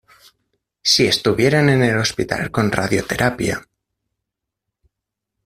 si estuviera en el hospital con radioterapia...